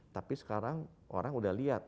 tapi sekarang orang udah lihat